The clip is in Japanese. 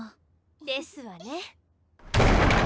ですわね。